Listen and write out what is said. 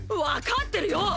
わかってるよ！！